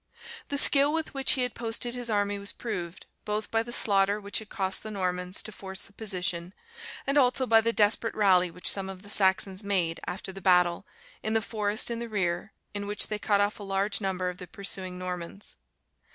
The skill with which he had posted his army was proved, both by the slaughter which it cost the Normans to force the position, and also by the desperate rally which some of the Saxons made, after the battle, in the forest in the rear, in which they cut off a large number of the pursuing Normans.